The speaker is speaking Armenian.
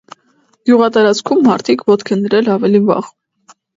Գյուղատարածքում մարդիկ ոտք են դրել ավելի վաղ։